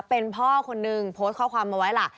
เป็นพ่อคนนึงโพสต์ข้อความเอาไว้ล่ะ